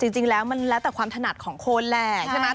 จริงแล้วมันแล้วแต่ความถนัดของคนแหละใช่ไหม